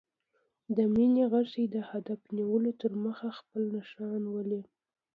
د مینې غشی د هدف نیولو تر مخه خپل نښان ولي.